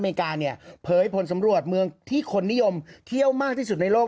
อเมริกาเนี่ยเผยผลสำรวจเมืองที่คนนิยมเที่ยวมากที่สุดในโลก